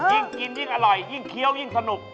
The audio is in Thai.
ยิ่งกินยิ่งอร่อยยิ่งเคี้ยวยิ่งสนุก